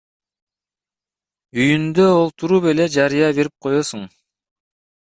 Үйүндө олтуруп эле жарыя берип коесуң.